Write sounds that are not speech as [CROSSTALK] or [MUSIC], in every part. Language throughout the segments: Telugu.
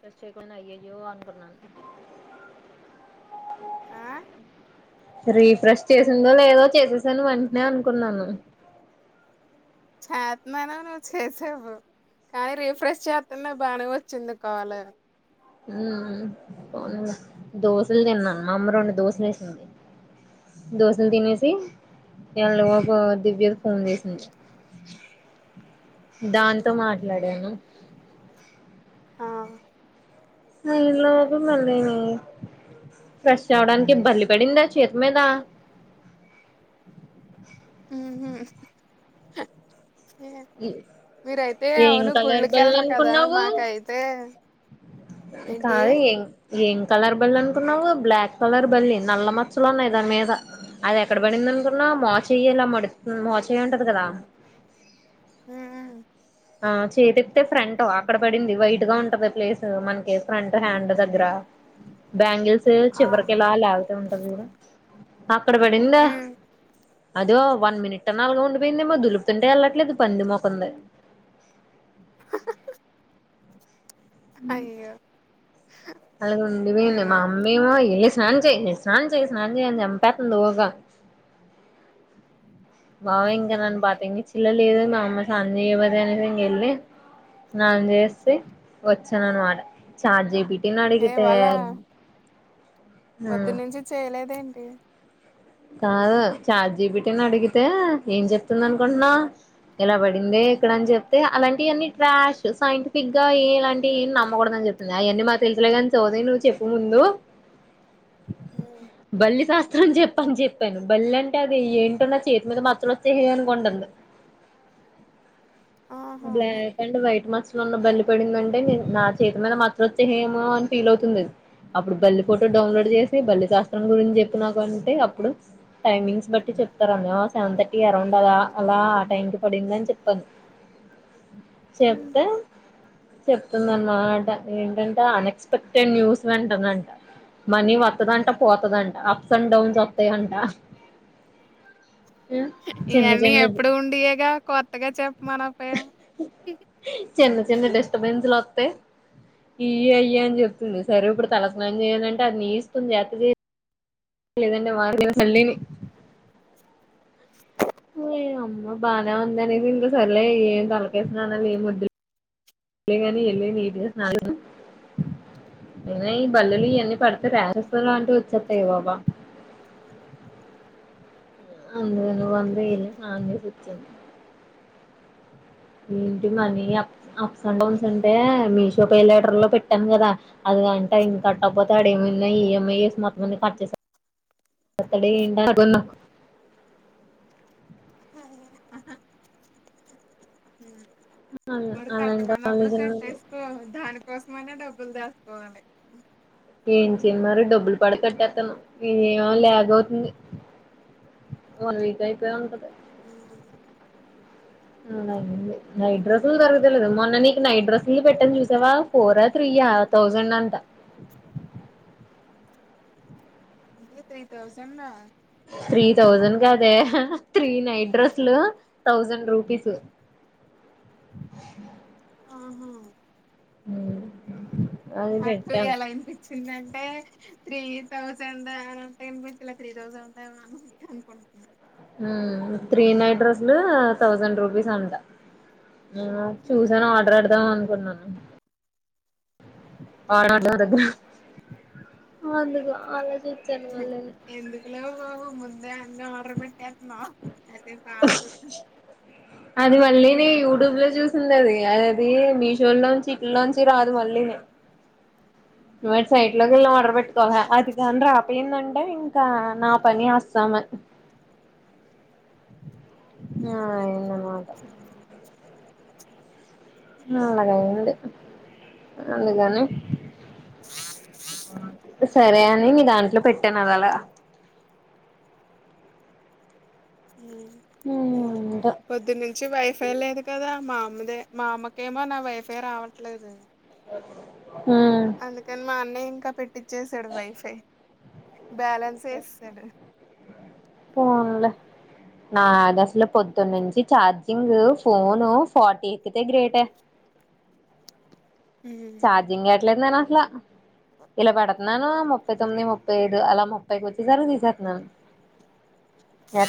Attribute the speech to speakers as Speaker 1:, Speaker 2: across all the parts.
Speaker 1: ఫోర్ చేయకున్నా అయ్యయ్యో అనుకున్నాను
Speaker 2: ఆ
Speaker 1: రీఫ్రెష్ చేసిందో లేదో చేసేసాను వెంటనే అనుకున్నాను
Speaker 2: చేత్తనాను నువ్వు చేసావు కానీ రీఫ్రెష్ చేతున్నా బానే వచ్చింది కాల్
Speaker 1: ఊ ఊ దోశలు తిన్నాను మా అమ్మ రెండు దోశలేసింది దోశలు తినేసి [INAUDIBLE] దివ్య ఫోన్ చేసింది దాంతో మాట్లాడాను
Speaker 2: ఆ
Speaker 1: ఈలోపు మళ్ళీని ఫ్రెష్ అవ్వడానికి బల్లి పడిందా చేతి మీద
Speaker 2: ఊహూ మీరైతే
Speaker 1: ఏం
Speaker 2: అవును
Speaker 1: కలర్ బల్లి
Speaker 2: గుళ్ళుకెళ్లరు కదా
Speaker 1: అనుకున్నావు
Speaker 2: మాకైతే ఏంటి
Speaker 1: కాదు ఏం ఏం కలర్ బల్లి అనుకున్నావు బ్లాక్ కలర్ బల్లి నల్ల మచ్చలు ఉన్నాయి దాని మీద అది ఎక్కడ పడింది అనుకున్నావు మోచెయ్యి ఇలా మడు ఊ మోచెయ్యుంటది కదా
Speaker 2: ఊ ఊ
Speaker 1: ఆ చేతిప్తే ఫ్రంట్ అక్కడ పడింది వైట్ గా ఉంటది ప్లేస్ మనకి ఫ్రంట్ హ్యాండ్ దగ్గర బ్యాంగిల్ స్
Speaker 2: ఆ
Speaker 1: చివరికిలా లాగుతూ ఉంటాం చూడు అక్కడ పడిందా
Speaker 2: ఉమ్
Speaker 1: అదో వన్ మినిట్ అన్నా అలాగ ఉండిపోయిందేమో దులుపుతుంటే వెళ్ళట్లేదు పంది మొఖం ది
Speaker 2: అయ్యో
Speaker 1: అలాగ ఉండిపోయింది మా
Speaker 2: ఉమ్,
Speaker 1: అమ్మేమో ఏస్ స్నానం చెయ్యి స్నానం చెయ్యి అని చంపేత్తుంది ఊగా బావ ఇంగా
Speaker 2: ఉమ్.
Speaker 1: నన్ను! ! ! ! ! ! ! ! ! ! ఇల్లా లేదు మా అమ్మ స్నానం చేయ్యపొతే అనేది ఇంకెళ్ళి స్నానం చేస్తే వచ్చాను అనమాట ఛాట్ జీ పీ టి
Speaker 2: ఏ
Speaker 1: నడిగితే
Speaker 2: ఇవాళ పొద్దునుంచి చేయలేదేంటి
Speaker 1: కాదు చాట్జీపీటీని అడిగితే ఏం చెప్తుంది అనుకుంటున్నావ్ ఇలా పడింది ఇక్కడ అని చెప్తే అలాంటియన్నీ ట్రాష్ సైంటిఫిక్ గా ఏ ఇలాంటివి ఏం నమ్మకూడదు అని చెపింది అయన్నీ మాకు తెలిసలేగాని సోది నువ్వు చెప్పు ముందు
Speaker 2: ఉమ్,
Speaker 1: బల్లి సాస్ థాంజేప్ ప్పని జెప్పాను బల్లి అంటే అది ఏంటో నా చేతి మీద మచ్చలు వచ్చేసెయ్ అనుకుంటంది
Speaker 2: ఆహా
Speaker 1: బ్లాక్ అండ్ వైట్ మచ మొన్న బల్లి పడిందంటేే నా చేత మీద మాచ్చలొచ్చేసాయ్ ఏమో అని ఫీల్ అవుతుంది అప్పుడు బల్లి ఫోటో డౌన్లోడ్ చేసి బల్లి శాస్త్రం గురించి చెప్పి నాక అంటే అప్పుడు టైమింగ్స్ బట్టి చెప్తారనా సెవెన్ థర్టీ అరౌండ్ అలా అలా ఆ టైం కి పడింది అని చెప్పాను
Speaker 2: ఉమ్.
Speaker 1: చెప్తె చెప్తుందన్నమాట ఏంటంటే అన్ఎక్స్పెక్టెడ్ న్యూస్ వింటనంట మనీ వతదంట పోతదంట అప్స్ అండ్ డౌన్స్ వతయంట
Speaker 2: ఇయన్నీ ఎప్పుడు ఉండియెగా కొత్తగా చెప్ప మనా
Speaker 1: చిన్న చిన్న డిస్టబెన్ లు వత్తయ్ ఇయి అయి అని చెప్తుంది సరే ఇప్పుడు తలస్నాం చేయాలంటే అది నీ ఇష్టం చేత చేయ్ లేదంటే [UNINTELLIGIBLE] అమ్మ బానే ఉంది అనేది ఇంకా సర్లే ఏం తలకాయస్నానాల్లు ఏం వదులె సర్లే గానీ యెళ్ళి నీట్గా స్నానం ఈ బల్లులు ఇయన్నీ పడితే రాషస్ అలాంటివి వచె హె బబా అందె నువ్వు అంది అలానే చెప్తుంది ఏంటి money up ups and downs అంటే మీషో పేలైటర్ లో పెట్టాను కదా అది అంటే ఇంక కట్టక పోతే ఏమున్నయ్ ఈఎంఐ చూసి మొత్తం అని కట్చేసాతాడా ఎంటి అనుకున్నాం
Speaker 2: హ్మ్
Speaker 1: అలా
Speaker 2: మరి
Speaker 1: అలాంటి వాళ్ళు
Speaker 2: కట్టమన్నప్పుడు
Speaker 1: నిజంగా
Speaker 2: కట్టేసుకో దానికోసమ అయన డబ్బు బ్బులు దాసుకోవాలి
Speaker 1: ఏం చేయను మరి డబ్బులు పాడి కట్టేతాను ఇయి ఏమో ల్యాగవుతుంది వన్ వీక్ అయిపోయి ఉంటది
Speaker 2: హ్మ్
Speaker 1: అవును అండి నైట్ డ్రస్సులు దొరుగుతలేదు మొన్నా నీ ఈ నైట్ డ్రస్సులుది పెట్టాను చూసావా ఫోరా త్రీయా థౌజండ్ అంట
Speaker 2: ఎంటీ త్రీ తౌసండ్ ఆ
Speaker 1: త్రీ థౌజండ్ కాదే త్రీ నైట్ డ్రెస్లు థౌజండ్ రూపీసు హ్మ్
Speaker 2: నాకు ఎలా వినిపించిందంటే త్రీ థౌజండ్ అన్నటే ఇనిపిచలా త్రీ థౌజండ్ ఉందెమో అని అన్నటు అనుకుంటున్నా
Speaker 1: హ్మ్ త్రీ నైట్ డ్రెస్లు థౌజండ్ రూపీస్ అంట చూసాను ఆర్డర్ పెడ దాం అనుకున్నాను ఆడ [UNINTELLIGIBLE] ధెగ్గారా అందుగా అలా చూచ్చాను మళ్ళీ
Speaker 2: ఎందుకులే బాబు ముందే ఆర్డర్ పెట్ న్నా ద అది బగు
Speaker 1: అది వళ్ళనే దుబ్లో చూసింది ఆది అది మిషోలోంచి ఇట్లోంచి రాదు మళ్ళీ సైట్ లోకి వెళ్ళా ఆర్డర్ పెట్ ఆ అది కంద్ర యెందంటే ఇంకా నా పని అస్సామీ ఆ ఎన్నమాట అలాగయింది అందుకని సరే అని మీ దానికి అ పెట్టన అదలా ఏంటో
Speaker 2: పొద్దు నుంచి వైఫై లేదు కదా మా అమ్మదే మా అమ్మకేమో నా వైఫై రావట్లేదు
Speaker 1: ఎ
Speaker 2: అందుకని మా అన్నయ్య ఇంకా పెట్టి చేసడ వైఫై బ్యాలెన్స్ వేస్తాడు
Speaker 1: పోన్లే నా దసలు పొద్దున్నంచి చఛార్జింగ్ ఫోను ఫార్టీ ఎయిత్తే గ్రేట
Speaker 2: ఉమ్
Speaker 1: చార్జింగ్ [UNINTELLIGIBLE] ఇలా పడ నాను ముప్పై తొమ్మిది ముప్పై ఐదు అలా ముప్పైకి వచ్చి తర్వాత తీసారున్నాను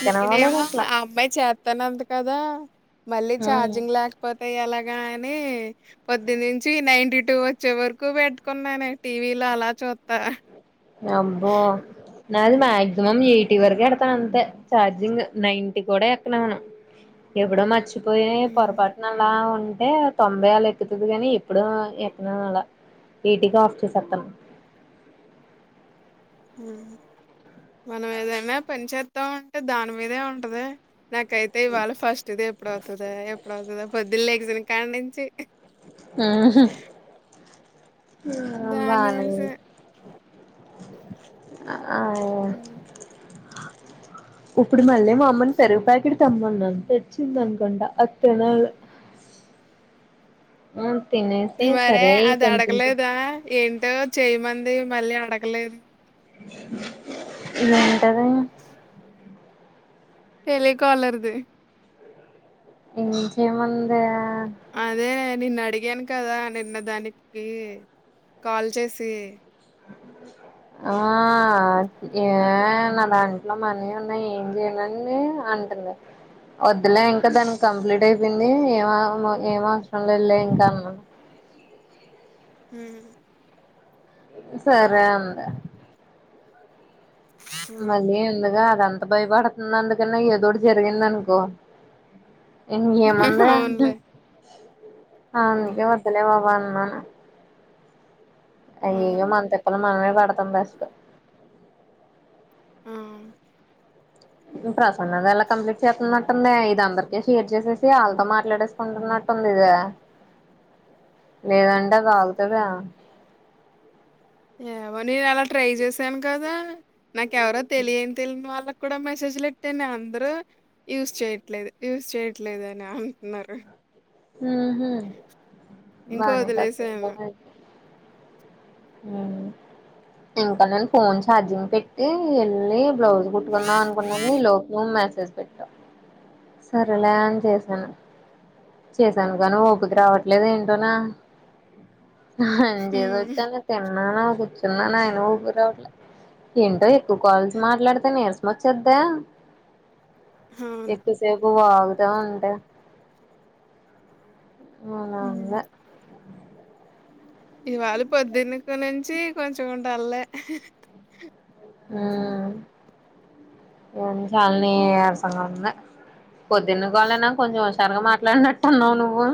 Speaker 2: నే నేమో ఆ అమ్మాయి చేస్తాన అండీ కదా మళ్ళీ
Speaker 1: ఉమ్
Speaker 2: ఛార్జింగ్ లేకపోతే యి అలాగాని పొద్ది నుంచి నైన్టీ టూ వచ్చే వరకు పెట్టుకున్నాను టీవీలో అలా చూతా
Speaker 1: అబ్బో నది మాక్సిమం ఎక టీ వరకు ఎడతాను అంతే చార్జింగ్ నైన్టీ కూడా ఎక్కన ఎవాన్ను ఎప్పుడో మర్చిపో ఇ
Speaker 2: హ్మ్
Speaker 1: పోరాపాటునలా ఉ టే తొంభై అలా ఎత్తుతుది కానీ ఇప్పుడు ఎక్కను అలా ఎయిటీకే ఆఫ్ చేసేత్తాను
Speaker 2: ఊ మనం ఏదైనా పని చేత్తా ఉంటే దాని మీదే ఉంటది నాకైతే ఇవాళ ఫస్ట్ దే ఎప్పుడువుతాదా ఎప్పుడువుతదా పొద్దున లెగిసిన కాడి నుంచి
Speaker 1: ఆ హూ ఊ బానే
Speaker 2: దానిసే
Speaker 1: ఔ ఇప్పుడు మళ్ళీ మా అమ్మని పెరుగు పాకిడ్ తెమ్మన్నాను తెచ్చింది అనుకోంటా అది తినాలె ఊ
Speaker 2: మరే అది అడగలేదా ఏం టో చెయ్యమంది మళ్ళీ అడగలేదు
Speaker 1: వంటది
Speaker 2: టెలీకాలర్ ది
Speaker 1: ఎం చెయ్ మందా
Speaker 2: అదే నిన్న అడిగాను కదా నిన్న దానికి కాల్ చేసి
Speaker 1: ఆ ఏ నా దాంట్లో మనీ ఉన్నాయి ఏం చేయనండి అంటంది వద్దులే ఇంకా దానికి కంప్లీట్ అయిపోయింది ఏమ ఏం అవసరం లేదు లే ఇంకా అన్నాను
Speaker 2: హ్మ్
Speaker 1: సరే అంది
Speaker 2: ఆ.
Speaker 1: మళ్ళీ ఎందుగా అదం భయపడుతుంది అందుకన్నా ఏదోకటి జరిగిందనుకో ఇంకేముంది
Speaker 2: అవునులే ఉమ్
Speaker 1: అందుకే వద్దులే బాబా అన్న అవును
Speaker 2: అవును
Speaker 1: అయ్యోయో మన త తిప్పలు మనమే పడతం బెస్ట్
Speaker 2: ఆ
Speaker 1: ప్రసన్నది ఎలా కంప్లీట్ చేత్తన్నట్టుందే ఇది అందరికీ షేర్ చేసేసి వాళ్ళతో మాట్లాడేసుకుంటున్నట్టుంది ఇది లేదంటే అది ఆగుతదా
Speaker 2: ఏమోనే అలా ట్రై చేసాను కదా నాకెవరో తెలియని తెలియని వాళ్ళకి కూడా మెసేజ్లు ఎట్టే నే అందరూ యూస్ చేయట్లేదు యూజ్ చేయట్లేదు అని అంటన్నారు
Speaker 1: ఊహూ
Speaker 2: ఇంకా
Speaker 1: బానే
Speaker 2: వదిలేసాను
Speaker 1: కష్టపడ్డావే ఇంకా నేను ఫోన్ ఛార్జింగ్ పెట్టి వెళ్ళి బ్లౌజ్ కుట్టుకుందాం అనుకున్నాను ఈ లోపు మెసేజ్ పెట్టావు సరేలే అని చేశాను చేసాను కానీ ఓపిక రావట్లేదు ఏంటోనే నేను
Speaker 2: ఉమ్
Speaker 1: చేసొచ్చాను ఆ నే కూర్చున్నా అయినా ఓపిక రావట్లే ఏంటో ఎక్కువ కాల్స్ మాట్లాడితే నీరసం వచ్చేద్దే
Speaker 2: అవును
Speaker 1: ఎక్కువ సేపు వాగుతా ఉంటే అవు నా
Speaker 2: ఉమ్
Speaker 1: అన్న
Speaker 2: ఇవాళ పొద్దున్నక నుంచి కొంచం ఉంటళ్లే అ
Speaker 1: ఏ చాలని అసంగ ఉంద పద్న్న కావాలనా కొంచెం వష్టం తరగా మాట్లాడినట్టున్నావు్ నువ్వు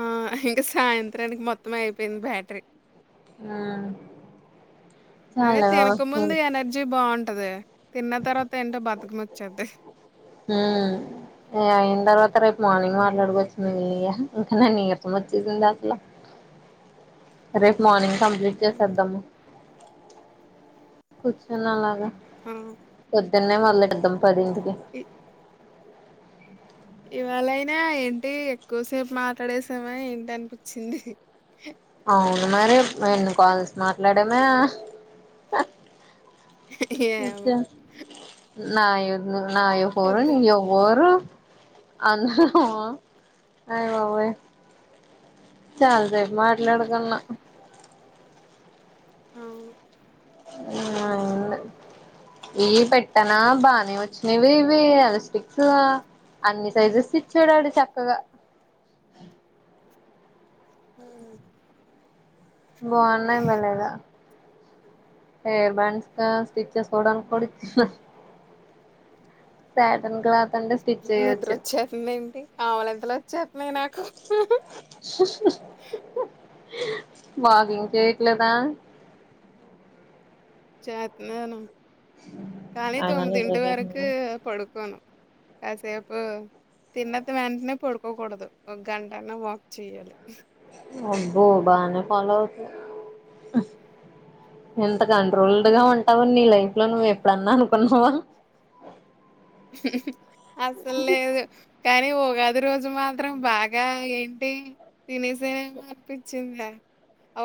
Speaker 2: ఆ ఇంకా సాయంత్రానికి మొత్తం అయిపోయింది బ్యాటరీ
Speaker 1: ఆ
Speaker 2: అే తినకముందు ఎనర్జీ బాగుంటది తిన్న తర్వాత ఏంటో బతుకమ చద్దే
Speaker 1: హ అయిన తర్వాత రేపు మార్నింగ్ మాట్లాడుక వచ్చింది వెయ్య ఇంకా న నీరసం వచ్చేసింది అసల రేపు మార్నింగ్ కంప్లీట్ చేసేద్దాము కుచ్చ నలాగా
Speaker 2: ఆ
Speaker 1: దున్నే మొదలెట్టెదం పదింటికి
Speaker 2: ఇ ఇవాళైనా ఏంటి ఎక్కువసేపు మాట్లాడేసామా ఏంటి అనిపించింది
Speaker 1: అవును మరి రెండు కాల్స్ మాట్లాడేమే ఇంక
Speaker 2: ఏమో
Speaker 1: నాయ నాయో ఫోరు
Speaker 2: పొద్దు
Speaker 1: నీయో ఫోర్ అందరం అయ్యబాబోయ్ చాల్ సెప్ మాట్లాడకున్నా
Speaker 2: అవును
Speaker 1: ఈ పెట్టన బానే వచ్చినవి ఇవి ఎలాస్టిక్సు అన్ని సైజెస్ ఇచ్చాడాడు చక్కగా
Speaker 2: హ
Speaker 1: బావున్నాయి బలేగా హయిర్ బ్యాండ్స్ స్టిచ్చెస్ కూడాడ కూడిచ్చటన్ సాటిన్ క్లాత్ అంటే స్టిచ్ చేయొచ్చు
Speaker 2: నిద్రొచ్చేత్తుంది ఏంటి అవలింతలు వచ్చేతూన్నాయి నాకు
Speaker 1: వాకింగ్ చెయ్యట్లేద
Speaker 2: చేత్నాను కానీ
Speaker 1: అయన నిద్ర
Speaker 2: తొమ్మిదింటి వరకు
Speaker 1: లేస్తున్నాడు
Speaker 2: పడుకోను కాసేపు తిన్నది వెంటనే పడుకోకూడదు ఒక గంటనే వాక్ చెయ్యాలి
Speaker 1: అబ్బో బానే ఫల్లోవవతు నిన్ కంట్రోల్డ్ గా ఉంటావున్నీ లైఫ్ ఇట్ల నువ్వు ఎప్పుడన్నా అనుకున్నావా
Speaker 2: అస్సల్లేదు కానీ ఉగాది రోజు మాత్రం బాగా ఏంటి తినేసేను అనిపించిందా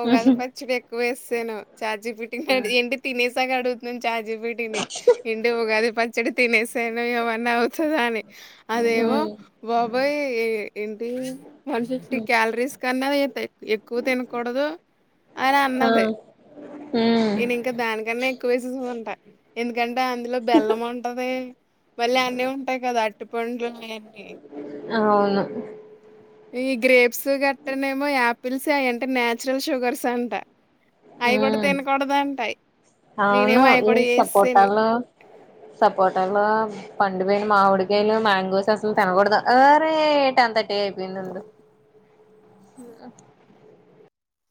Speaker 2: ఉగాది పచ్చడి వేస్సేను చాట్జీపిటినీ అడిగి ఏంటి తినేసి తెగ అడుగుతున్నాను చాట్జీపీటినీ ఇంటి ఉగాది పచ్చడి తినేసి తిన్నా ఏమన్నా అవుతదా అని అదేవో
Speaker 1: ఉమ్
Speaker 2: బాబోయి ఇం ఏంటి వన్ ఫిఫ్టీ క్యాలరీస్ కన్నా అది ఎక్కువ తినకూడదు అని
Speaker 1: ఆ
Speaker 2: అన్నది
Speaker 1: ఉమ్
Speaker 2: నేను ఇంకా దానికన్నా ఎక్కువే సూసుకుంటా ఎందుకంటే అందులో బెల్లం ఉంటది మళ్ళీ అన్నీ ఉంటాయి కదా అర్టి పండ్లు అవన్నీ
Speaker 1: అవును
Speaker 2: ఇయి గ్రేప్స్ గట్రనేమో యాపిల్స్ అయి అంటే న్యాచురల్ షుగర్స్ అంట
Speaker 1: ఊ
Speaker 2: అవి కూడా తినకూడదంట
Speaker 1: అవును
Speaker 2: నేనేమో అవి
Speaker 1: ఈ
Speaker 2: కూడా వేసేసాను
Speaker 1: సపోటాలు సపోటాలు పండు పోయిన మావిడికాయలు మాంగోస్ అసలు తినకూడుదు ఆరే టెన్ త టీ అయిపోయిందుండు